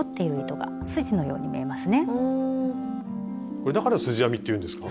これだから「すじ編み」っていうんですか？